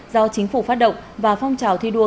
do chính phủ phát động và phong trào thi đua